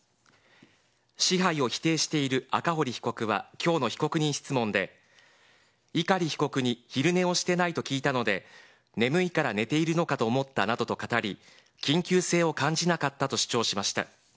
支配を否定している赤堀被告は、きょうの被告人質問で、碇被告に昼寝をしていないと聞いたので、眠いから寝ているのかと思ったなどと語り、緊急性を感じなかったと主張しました。